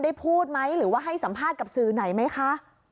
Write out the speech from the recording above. พูดไหมหรือว่าให้สัมภาษณ์กับสื่อไหนไหมคะ